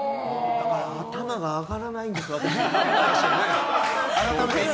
頭が上がらないんですよ、私。